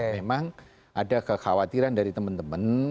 memang ada kekhawatiran dari teman teman